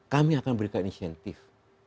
kami akan berikan insentif